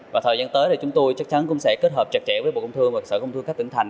và thời gian tới thì chúng tôi chắc chắn cũng sẽ kết hợp chặt chẽ với bộ công thương và sở công thương các tỉnh thành